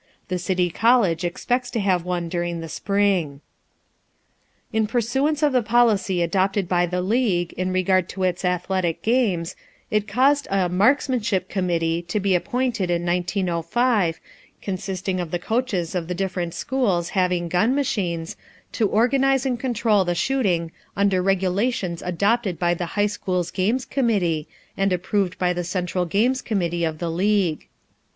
The City College expects to have one during the spring. In pursuance of the policy adopted by the league in regard to its athletic games, it caused a "marksmanship committee" to be appointed in 1905, consisting of the coaches of the different schools having gun machines, to organize and control the shooting under regulations adopted by the high schools games committee and approved by the central games committee of the league.